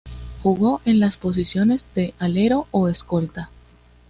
Jugó en las posiciones de Alero o Escolta.